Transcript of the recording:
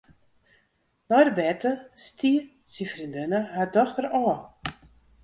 Nei de berte stie syn freondinne har dochter ôf.